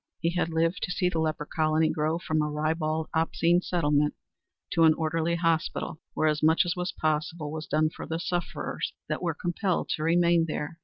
He had lived to see the leper colony grow from a ribald, obscene settlement to an orderly hospital where as much as was possible was done for the sufferers that were compelled to remain there.